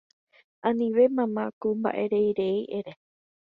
Anivéna mama ko mba'ereirei ere